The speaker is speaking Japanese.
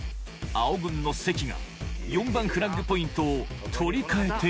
青軍の関が４番フラッグポイントを取り換えていた